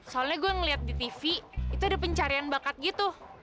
soalnya gue ngeliat di tv itu ada pencarian bakat gitu